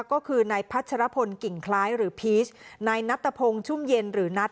ก็คือนายพัชรพลกิ่งคล้ายหรือพีชนายนัตตะพงศ์ชุ่มเย็นหรือนัท